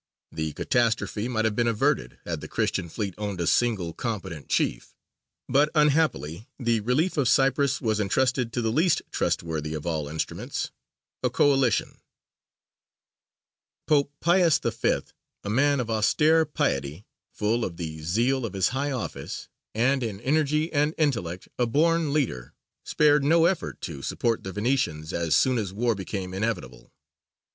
The catastrophe might have been averted, had the Christian fleet owned a single competent chief; but unhappily the relief of Cyprus was entrusted to the least trustworthy of all instruments a coalition. Pope Pius V., a man of austere piety, full of the zeal of his high office, and in energy and intellect a born leader, spared no effort to support the Venetians as soon as war became inevitable.